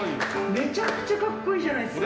めちゃくちゃかっこいいじゃないですか。